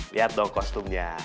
lihat dong kostumnya